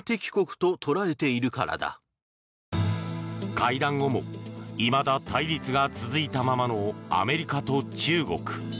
会談後もいまだ対立が続いたままのアメリカと中国。